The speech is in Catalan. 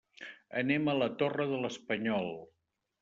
Anem a la Torre de l'Espanyol.